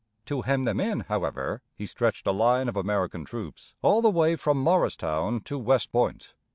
To hem them in, however, he stretched a line of American troops all the way from Morristown to West Point.